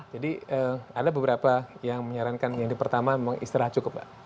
jadi ada beberapa yang menyarankan yang pertama memang istirahat cukup